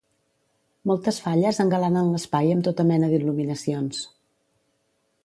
Moltes falles engalanen l’espai amb tota mena d’il·luminacions.